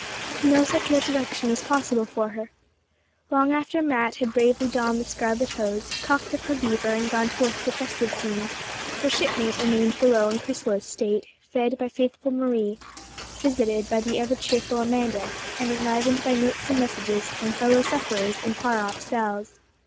no such resurrection was possible for her. Long after Mat had bravely donned the scarlet hose, cocked up her beaver and gone forth to festive scenes, her shipmate remained below in chrysalis state, fed by faithful Marie, visited by the ever cheerful Amanda, and enlivened by notes and messages from fellow sufferers in far off cells.